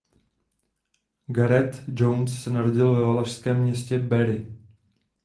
Gareth Jones se narodil ve velšském městě Barry.